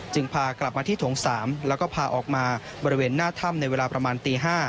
พากลับมาที่โถง๓แล้วก็พาออกมาบริเวณหน้าถ้ำในเวลาประมาณตี๕